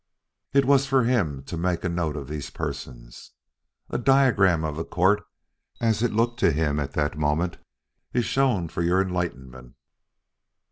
It was for him to make a note of these persons. A diagram of the court as it looked to him at that moment is shown for your enlightenment.